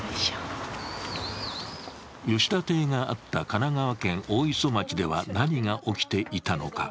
吉田邸があった神奈川県大磯町では何が起きていたのか。